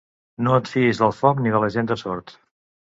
No et fiïs del foc ni de la gent de Sort.